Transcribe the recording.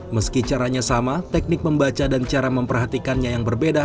meski caranya sama teknik membaca dan cara memperhatikannya yang berbeda